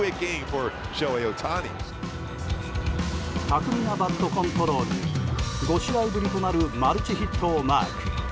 巧みなバットコントロールで５試合ぶりとなるマルチヒットをマーク。